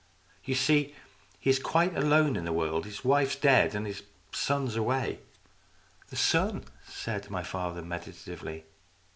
You see, he is quite alone in the world. His wife's dead, and his son's away." "The son," said my father, meditatively.